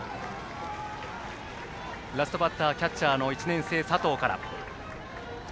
ラストバッター、キャッチャーの１年生の佐藤から。